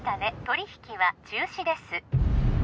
取引は中止です